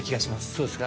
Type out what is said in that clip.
そうですか。